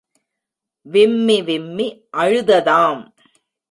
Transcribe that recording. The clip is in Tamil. விம்மி விம்மி அழுததாம்.